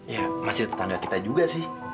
ya masih tetangga kita juga sih